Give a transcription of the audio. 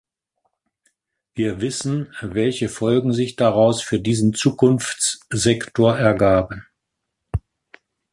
Wir wissen, welche Folgen sich daraus für diesen Zukunftssektor ergaben.